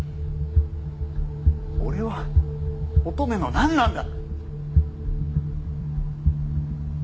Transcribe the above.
俺は乙女のなんなんだ！